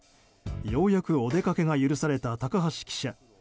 ようやくお出かけが許された高橋記者。